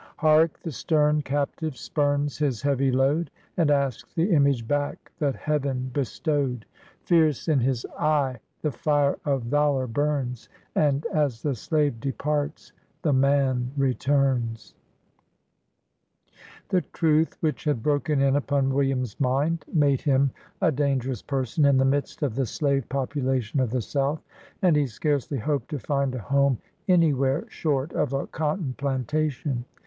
Hark ! the stern captive spurns his heavy load, And asks the image back that Heaven bestowed ; Fierce in his eye the fire of valor burns, And, as the slave departs, the man returns." AX AMERICAN BOXDMAX. 33 The truth which had broken in upon William's mind made him a dangerous person in the midst of the slave population of the South, and he scarcely hoped to find a home any where short of a cotton plantation.